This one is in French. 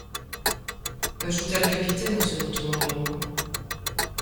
ajouta le capitaine, en se retournant vers moi